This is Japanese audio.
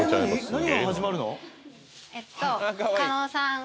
何が始まるの？